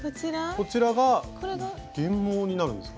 こちらが原毛になるんですか？